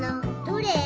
どれ？